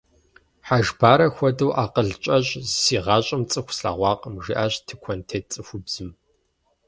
Хьэжбарэ хуэдэу акъыл кӀэщӀ си гъащӀэм цӀыху слъэгъуакъым, – жиӀащ тыкуэнтет цӀыхубзым.